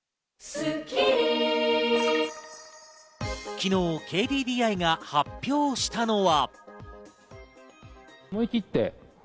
昨日ＫＤＤＩが発表したのは。